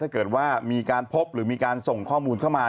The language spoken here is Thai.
ถ้าเกิดว่ามีการพบหรือมีการส่งข้อมูลเข้ามา